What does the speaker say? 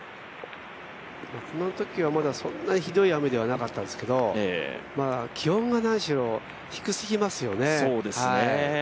このときはまだそんなにひどい雨ではなかったんですけど、気温が何しろ低すぎますよね。